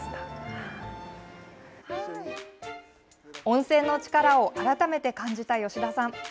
温泉の力を改めて感じた吉田さん。